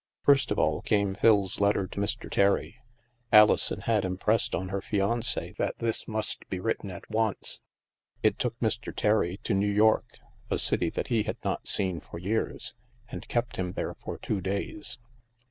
First of all, came Phil's letter to Mr. Terry. Ali son had impressed on her fiance that this must be written at once. It took Mr. Terry to New York — a city that he had not seen for years — and kept him there for two days.